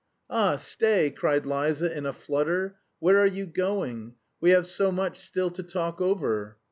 "Ah, stay!" cried Liza, in a flutter. "Where are you going? We have so much still to talk over...."